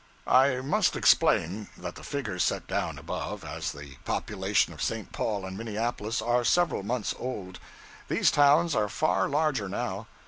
I must explain that the figures set down above, as the population of St. Paul and Minneapolis, are several months old. These towns are far larger now.